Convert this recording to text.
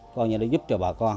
có những cái giúp cho bà con